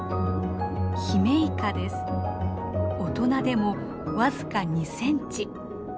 大人でも僅か２センチ。